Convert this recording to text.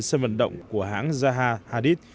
sân vận động của hãng zaha hadid